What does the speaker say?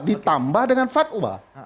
ditambah dengan fatwa